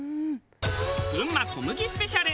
群馬小麦スペシャル。